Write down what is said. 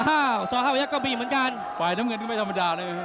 อ้าวจอห้าประยักษ์ก็มีเหมือนกันฝ่ายน้ำเงินก็ไม่ธรรมดาเลยนะครับ